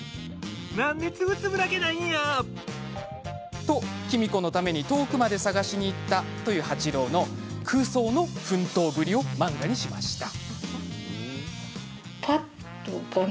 なんでつぶつぶだけないんや！と喜美子のために遠くまで探しにいったという八郎の空想の奮闘ぶりを漫画にしました。